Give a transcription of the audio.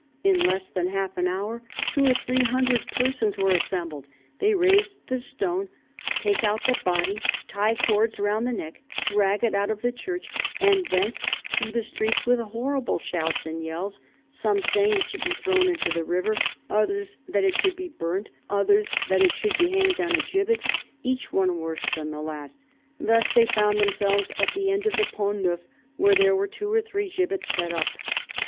In less than half an hour two or three hundred persons were assembled ; they raise the stone, take out the body, tie cords round the neck, drag it out of the church and thence through the streets, with horrible shouts and yells, some saying it should be thrown into the river, others that it should be burnt, others that it should be hanged on a gibbet ; each one worse than the last. Thus they found themselves at the end of the Pont Neuf, where there were two or three gibbets set up."